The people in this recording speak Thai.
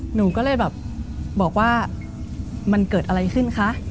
หนูก็เลยแบบบอกว่ามันเกิดอะไรขึ้นคะ